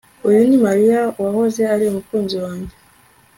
Uyu ni Mariya uwahoze ari umukunzi wanjye